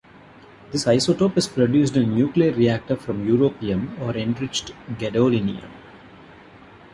This isotope is produced in a nuclear reactor from europium or enriched gadolinium.